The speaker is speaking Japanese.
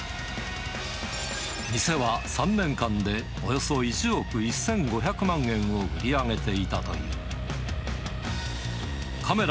店は３年間でおよそ１億１５００万円を売り上げていたという。